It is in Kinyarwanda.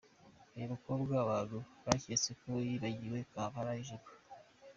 Uyu mukobwa abantu baketse ko yibagiwe kwambara ijipo.